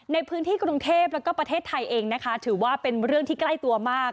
ในพื้นที่กรุงเทพแล้วก็ประเทศไทยเองนะคะถือว่าเป็นเรื่องที่ใกล้ตัวมาก